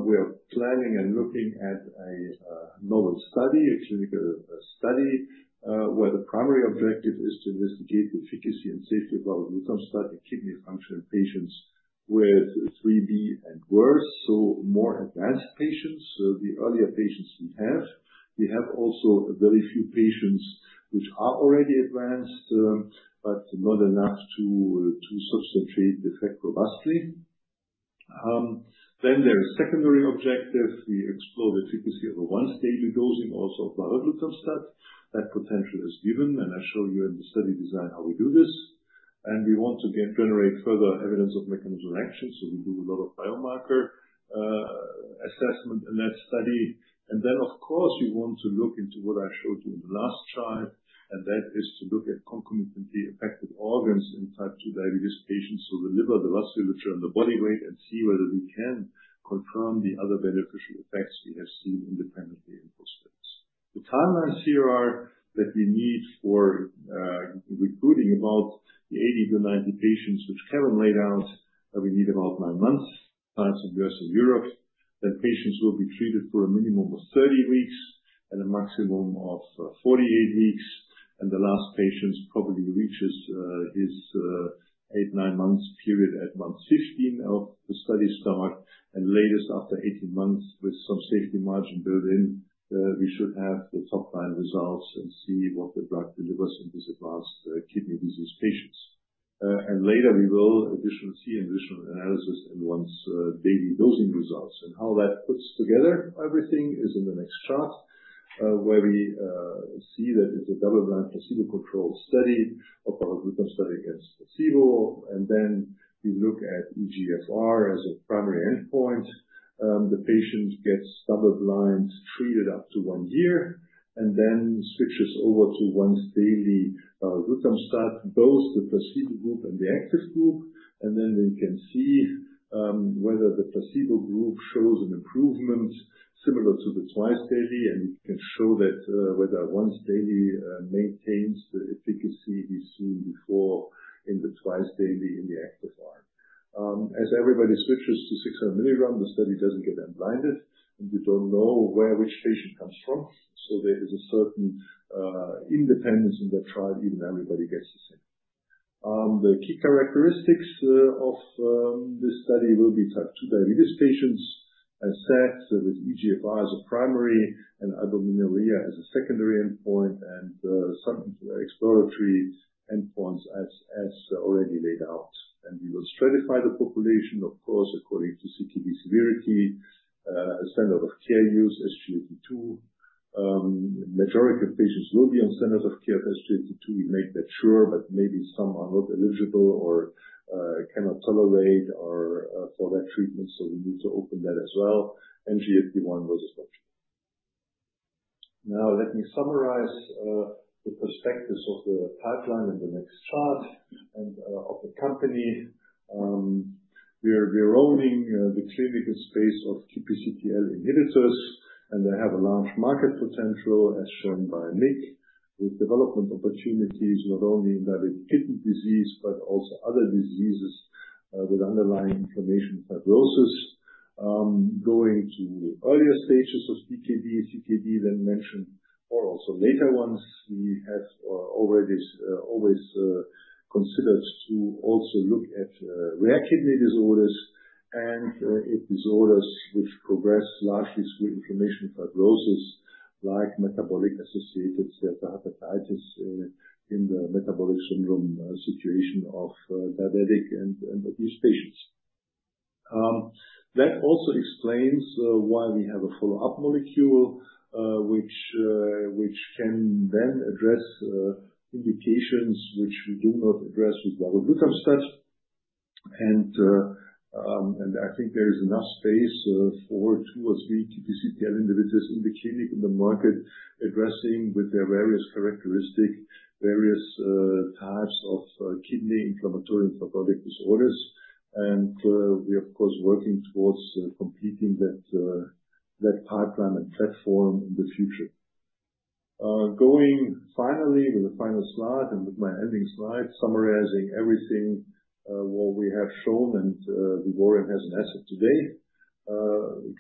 we are planning and looking at a novel study, a clinical study where the primary objective is to investigate the efficacy and safety of our lithium study kidney function in patients with IIIb and worse, so more advanced patients, the earlier patients we have. We have also very few patients which are already advanced, but not enough to substantiate the effect robustly. There is a secondary objective. We explore the efficacy of a once-daily dosing also of the lithium study. That potential is given, and I show you in the study design how we do this. We want to generate further evidence of mechanism of action. We do a lot of biomarker assessment in that study. Of course, we want to look into what I showed you in the last chart, and that is to look at concomitantly affected organs in type 2 diabetes patients, so the liver, the musculature, and the body weight, and see whether we can confirm the other beneficial effects we have seen independently in those studies. The timelines here are that we need for recruiting about 80-90 patients, which Kevin laid out. We need about nine months, times of US and Europe. Patients will be treated for a minimum of 30 weeks and a maximum of 48 weeks. The last patient probably reaches his eight, nine months period at month 15 of the study start, and latest after 18 months with some safety margin built in, we should have the top line results and see what the drug delivers in these advanced kidney disease patients. Later, we will additionally see in additional analysis and once-daily dosing results. How that puts together everything is in the next chart, where we see that it's a double-blind placebo-controlled study of our lithium study against placebo. We look at eGFR as a primary endpoint. The patient gets double-blind treated up to one year and then switches over to once-daily lithium study, both the placebo group and the active group. We can see whether the placebo group shows an improvement similar to the twice-daily, and we can show that whether once-daily maintains the efficacy we've seen before in the twice-daily in the active arm. As everybody switches to 600 mg, the study doesn't get unblinded, and you don't know where which patient comes from. There is a certain independence in the trial, even though everybody gets the same. The key characteristics of this study will be type 2 diabetes patients, as said, with eGFR as a primary and albuminuria as a secondary endpoint, and some exploratory endpoints as already laid out. We will stratify the population, of course, according to CKD severity, standard of care use, SGLT2. The majority of patients will be on standards of care of SGLT2. We make that sure, but maybe some are not eligible or cannot tolerate or for that treatment, so we need to open that as well. NGFD1 was as well. Now, let me summarize the perspectives of the pipeline in the next chart and of the company. We're owning the clinical space of QPCTL inhibitors, and they have a large market potential, as shown by Nick, with development opportunities not only in diabetic kidney disease, but also other diseases with underlying inflammation and fibrosis going to earlier stages of CKD, CKD, then mentioned, or also later ones. We have always considered to also look at rare kidney disorders and disorders which progress largely through inflammation and fibrosis, like metabolic-associated steatohepatitis in the metabolic syndrome situation of diabetic and obese patients. That also explains why we have a follow-up molecule, which can then address indications which we do not address with our lead compound. I think there is enough space for two or three QPCTL inhibitors in the clinic, in the market, addressing with their various characteristics, various types of kidney inflammatory and fibrotic disorders. We are, of course, working towards completing that pipeline and platform in the future. Going finally with the final slide and with my ending slide, summarizing everything what we have shown and Vivoryon has as an asset today.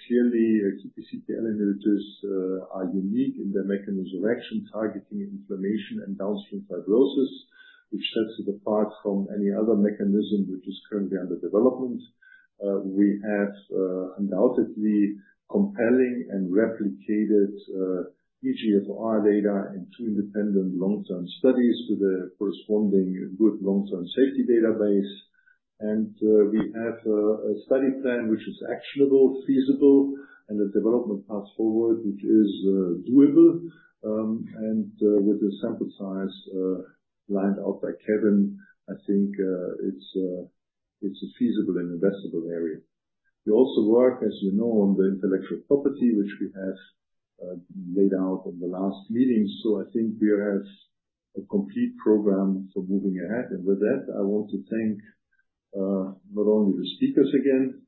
Clearly, QPCTL inhibitors are unique in their mechanism of action, targeting inflammation and downstream fibrosis, which sets it apart from any other mechanism which is currently under development. We have undoubtedly compelling and replicated eGFR data in two independent long-term studies with a corresponding good long-term safety database. We have a study plan which is actionable, feasible, and a development path forward which is doable. With the sample size lined out by Kevin, I think it is a feasible and investable area. We also work, as you know, on the intellectual property, which we have laid out in the last meeting. I think we have a complete program for moving ahead. I want to thank not only the speakers again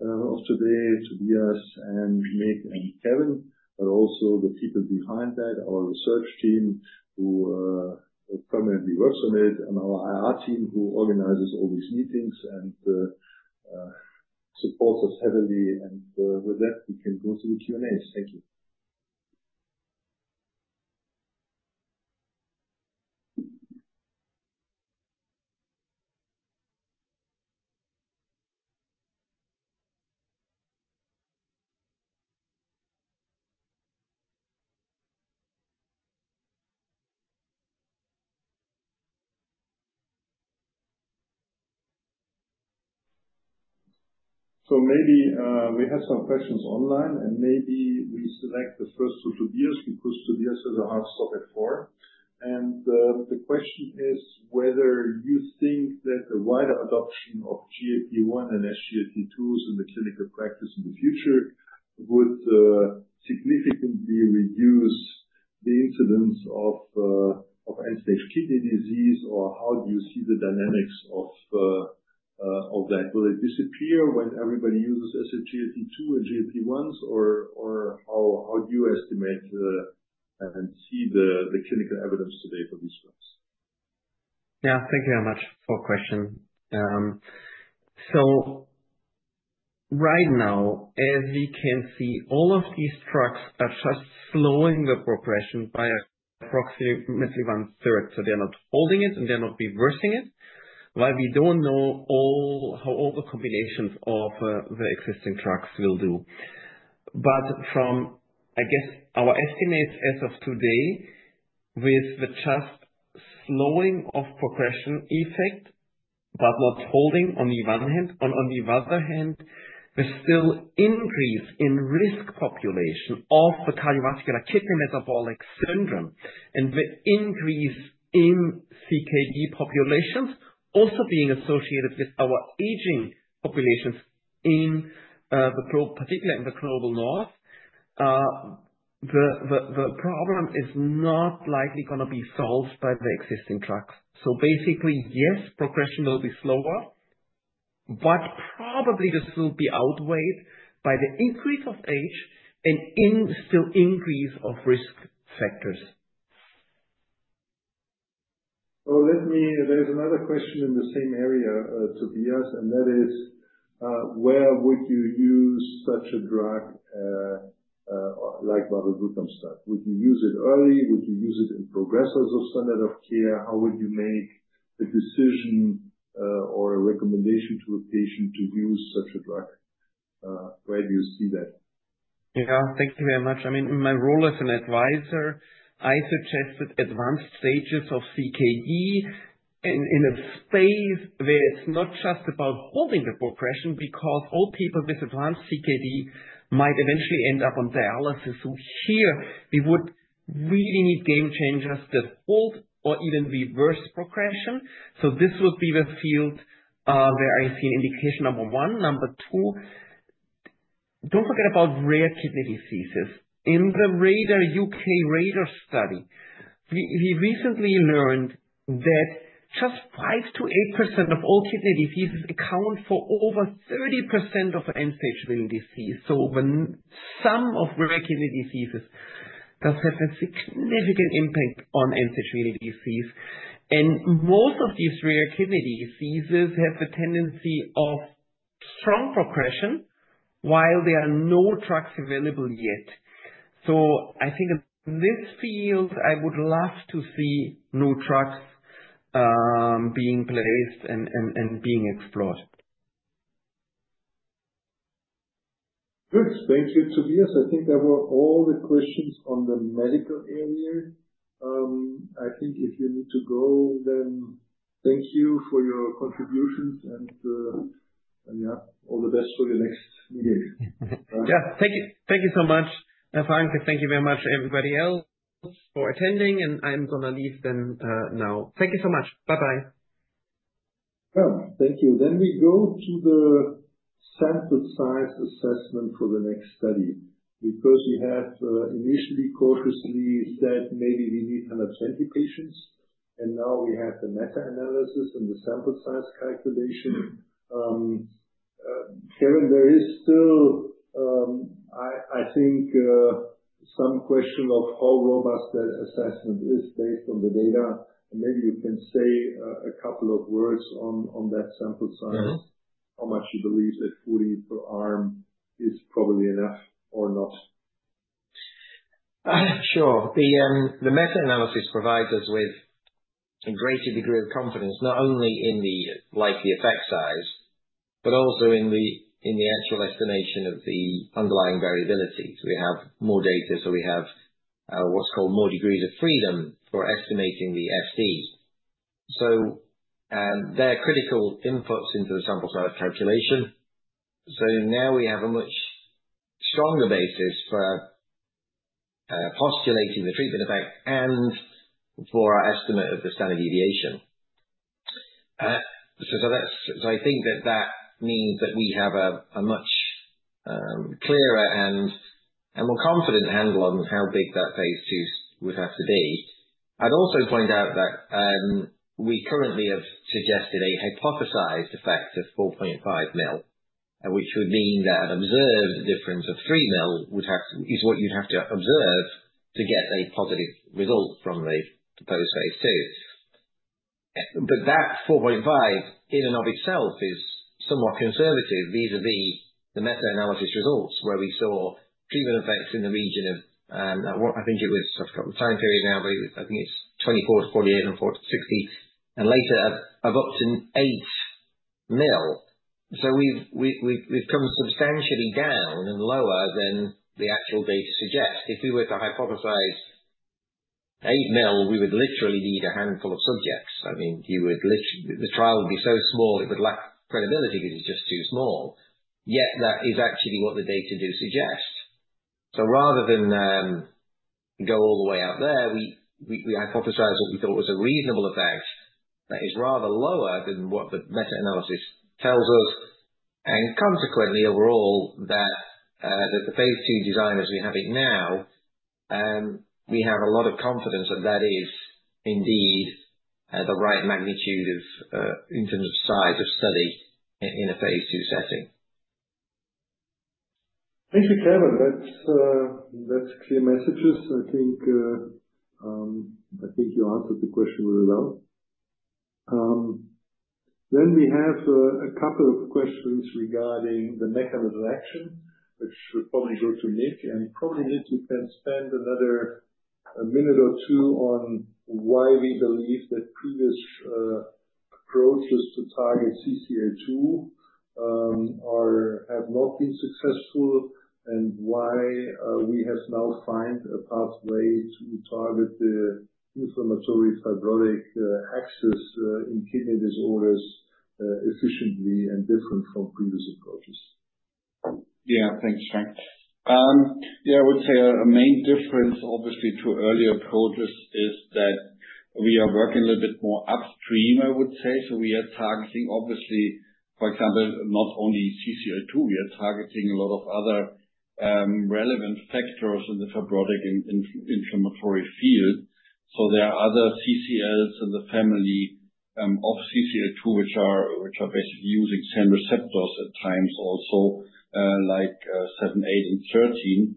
of today, Tobias, and Nick and Kevin, but also the people behind that, our research team who permanently works on it, and our IR team who organizes all these meetings and supports us heavily. With that, we can go through the Q&As. Thank you. Maybe we have some questions online, and maybe we select the first two Tobias because Tobias has a hard stop at 4:00. The question is whether you think that the wider adoption of GLP-1 and SGLT2s in clinical practice in the future would significantly reduce the incidence of end-stage kidney disease, or how do you see the dynamics of that? Will it disappear when everybody uses SGLT2 and GLP-1s, or how do you estimate and see the clinical evidence today for these drugs? Yeah, thank you very much for the question. Right now, as we can see, all of these drugs are just slowing the progression by approximately one-third. They're not holding it, and they're not reversing it, while we don't know how all the combinations of the existing drugs will do. From our estimates as of today, with the just slowing of progression effect, but not holding on the one hand, on the other hand, there's still increase in risk population of the cardiovascular kidney metabolic syndrome and the increase in CKD populations, also being associated with our aging populations, particularly in the global north. The problem is not likely going to be solved by the existing drugs. Basically, yes, progression will be slower, but probably this will be outweighed by the increase of age and still increase of risk factors. There's another question in the same area, Tobias, and that is, where would you use such a drug like our varoglutamstat? Would you use it early? Would you use it in progressions of standard of care? How would you make a decision or a recommendation to a patient to use such a drug? Where do you see that? Yeah, thank you very much. I mean, in my role as an advisor, I suggested advanced stages of CKD in a space where it's not just about holding the progression because old people with advanced CKD might eventually end up on dialysis. Here, we would really need game changers that hold or even reverse progression. This would be the field where I see an indication number one. Number two, don't forget about rare kidney diseases. In the U.K. radar study, we recently learned that just 5%-8% of all kidney diseases account for over 30% of end-stage renal disease. Some of rare kidney diseases does have a significant impact on end-stage renal disease. Most of these rare kidney diseases have a tendency of strong progression while there are no drugs available yet. I think in this field, I would love to see new drugs being placed and being explored. Good. Thank you, Tobias. I think that were all the questions on the medical area. I think if you need to go, then thank you for your contributions. All the best for your next meeting. Thank you so much. And Frank, thank you very much, everybody else, for attending. I'm going to leave then now. Thank you so much. Bye-bye. Thank you. We go to the sample size assessment for the next study because we have initially cautiously said maybe we need 120 patients. Now we have the meta-analysis and the sample size calculation. Kevin, there is still, I think, some question of how robust that assessment is based on the data. Maybe you can say a couple of words on that sample size, how much you believe that 40 per arm is probably enough or not. Sure. The meta-analysis provides us with a greater degree of confidence, not only in the likely effect size, but also in the actual estimation of the underlying variability. We have more data. We have what's called more degrees of freedom for estimating the FDs. They are critical inputs into the sample size calculation. Now we have a much stronger basis for postulating the treatment effect and for our estimate of the standard deviation. I think that means that we have a much clearer and more confident handle on how big that phase is would have to be. I'd also point out that we currently have suggested a hypothesized effect of 4.5 ml, which would mean that an observed difference of 3 ml is what you'd have to observe to get a positive result from the proposed phase two. That 4.5 ml in and of itself is somewhat conservative vis-à-vis the meta-analysis results where we saw treatment effects in the region of, I think it was, I've got the time period now, but I think it's 24-48 and 40-60, and later of up to 8 ml. We have come substantially down and lower than the actual data suggest. If we were to hypothesize 8 ml, we would literally need a handful of subjects. I mean, the trial would be so small, it would lack credibility because it's just too small. Yet that is actually what the data do suggest. Rather than go all the way out there, we hypothesize what we thought was a reasonable effect that is rather lower than what the meta-analysis tells us. Consequently, overall, the phase two design as we have it now, we have a lot of confidence that that is indeed the right magnitude in terms of size of study in a phase two setting. Thank you, Kevin. That's clear messages. I think you answered the question really well. We have a couple of questions regarding the mechanism of action, which will probably go to Nick. Probably, Nick, you can spend another minute or two on why we believe that previous approaches to target CCL2 have not been successful and why we have now found a pathway to target the inflammatory fibrotic axis in kidney disorders efficiently and different from previous approaches. Yeah, thanks, Frank. Yeah, I would say a main difference, obviously, to earlier approaches is that we are working a little bit more upstream, I would say. We are targeting, obviously, for example, not only CCL2. We are targeting a lot of other relevant factors in the fibrotic inflammatory field. There are other CCLs in the family of CCL2, which are basically using the same receptors at times also, like 7, 8, and 13.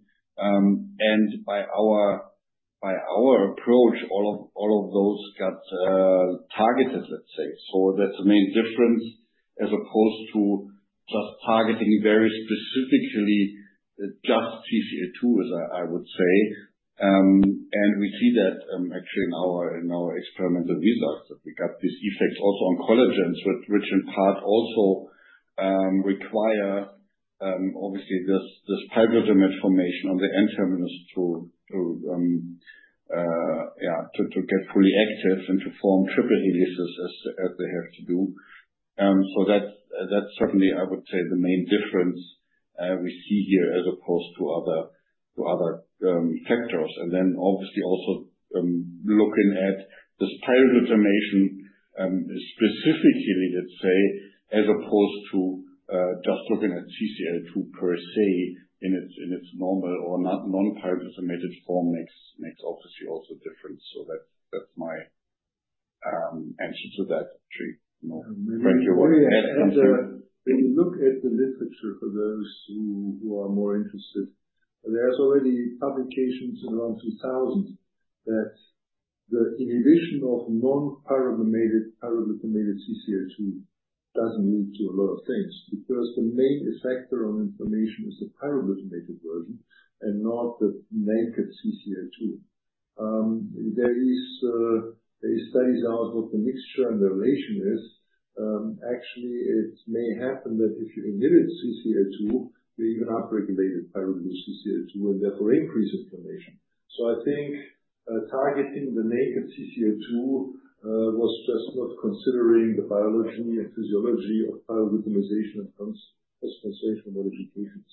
By our approach, all of those got targeted, let's say. That is the main difference as opposed to just targeting very specifically just CCL2, as I would say. We see that actually in our experimental results that we got these effects also on collagens, which in part also require, obviously, this pyroglutaminylation on the end-terminus to get fully active and to form triple helices as they have to do. That is certainly, I would say, the main difference we see here as opposed to other factors. Obviously, also looking at this pyroglutaminylation specifically, let's say, as opposed to just looking at CCL2 per se in its normal or non-pyroglutaminylated form makes obviously also a difference. That is my answer to that. Franky, what do you have to say? When you look at the literature for those who are more interested, there are already publications around 2000 that the inhibition of non-pyroglutaminylated, pyroglycinated CCL2 does not lead to a lot of things because the main effector on inflammation is the pyroglycinated version and not the naked CCL2. There are studies out what the mixture and the relation is. Actually, it may happen that if you inhibit CCL2, you even upregulate pyroglycinated CCL2 and therefore increase inflammation. I think targeting the naked CCL2 was just not considering the biology and physiology of pyroglutaminylation and post-translational modifications,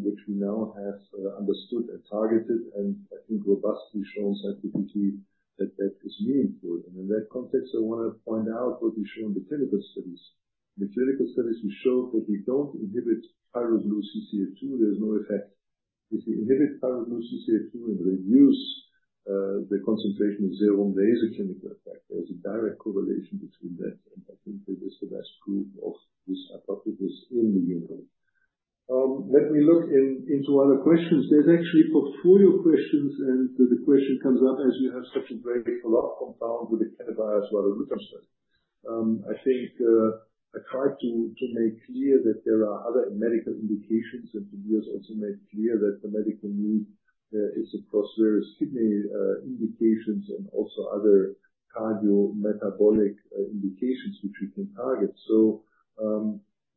which we now have understood and targeted. I think robustly shown scientifically that that is meaningful. In that context, I want to point out what we show in the clinical studies. In the clinical studies, we showed that we do not inhibit pyroglutaminylated CCL2. There is no effect. If we inhibit pyroglutaminylated CCL2 and reduce the concentration of serum, there is a clinical effect. There is a direct correlation between that. I think it is the best proof of this hypothesis in the unit. Let me look into other questions. There are actually portfolio questions. The question comes up as you have such a great phenomenon compound with the cannabis water lutein study. I think I tried to make clear that there are other medical indications. Tobias also made clear that the medical need is across various kidney indications and also other cardiometabolic indications, which we can target.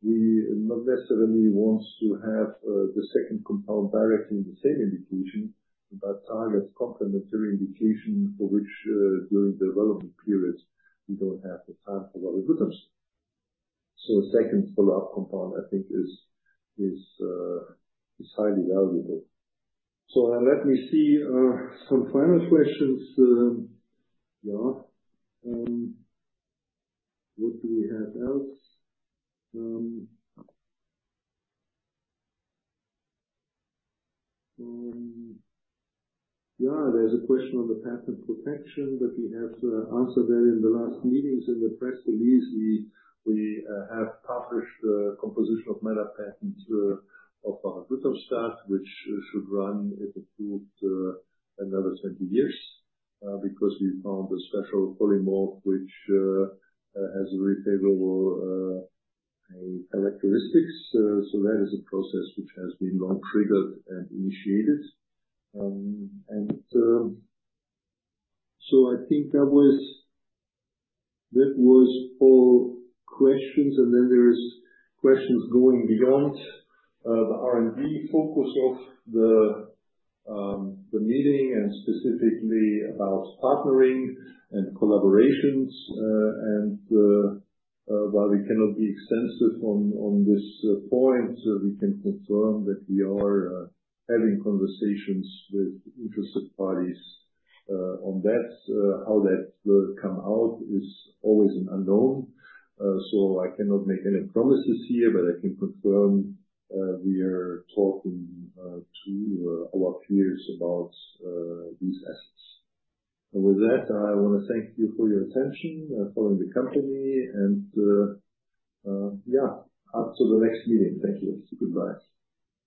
We not necessarily want to have the second compound directly in the same indication, but target complementary indication for which during the development period, we do not have the time for varoglutamstat. The second follow-up compound, I think, is highly valuable. Let me see some final questions. Yeah. What do we have else? Yeah, there is a question on the patent protection, but we have answered that in the last meetings in the press release. We have published the composition of matter patents of varoglutamstat, which should run if approved another 20 years because we found a special polymorph, which has very favorable characteristics. That is a process which has been long triggered and initiated. I think that was all questions. There are questions going beyond the R&D focus of the meeting and specifically about partnering and collaborations. While we cannot be extensive on this point, we can confirm that we are having conversations with interested parties on that. How that will come out is always an unknown. I cannot make any promises here, but I can confirm we are talking to our peers about these assets. With that, I want to thank you for your attention, for the company. Yeah, up to the next meeting. Thank you. Goodbye.